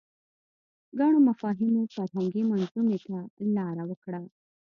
ګڼو مفاهیمو فرهنګي منظومې ته لاره وکړه